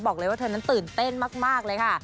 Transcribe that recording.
บอกเลยว่าเธอนั้นตื่นเต้นมากเลยค่ะ